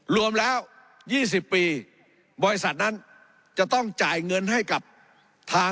รวมแล้ว๒๐ปีบริษัทนั้นจะต้องจ่ายเงินให้ส่วนตัวแล้ว